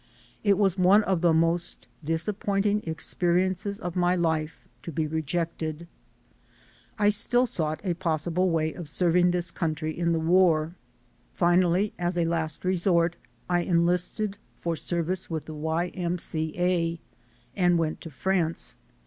It was one of the most disappointing experiences of my life to be re jected. I still sought a possible way of serving this country in the war. Finally, as a last resort, I enlisted for service with the Y. M. C. A. and went to France.